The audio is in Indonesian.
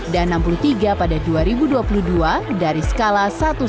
dan enam puluh tiga pada dua ribu dua puluh dua dari skala satu seratus